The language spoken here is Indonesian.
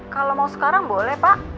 kalau mau sekarang boleh pak